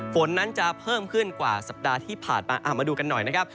ฝนนั้นจะเพิ่มขึ้นกว่าสัปดาห์ที่ผ่านมามาดูกันหน่อยนะครับ